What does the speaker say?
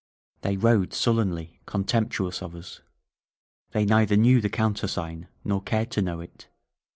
They rode sullenly, contempt uous of us. They neither knew the countersign nor cared to know it.